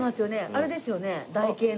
あれですよね台形の。